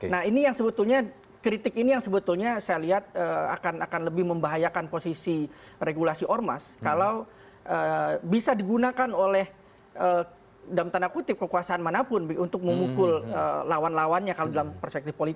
nah ini yang sebetulnya kritik ini yang sebetulnya saya lihat akan lebih membahayakan posisi regulasi ormas kalau bisa digunakan oleh dalam tanda kutip kekuasaan manapun untuk memukul lawan lawannya kalau dalam perspektif politik